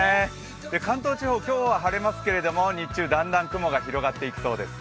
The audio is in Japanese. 関東地方、今日は晴れますけど日中はだんだん曇ってきそうです。